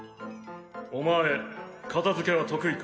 お前片づけは得意か？